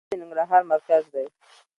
جلال اباد د ننګرهار مرکز ده.